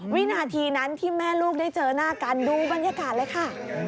วินาทีนั้นที่แม่ลูกได้เจอหน้ากันดูบรรยากาศเลยค่ะ